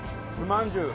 まんじゅう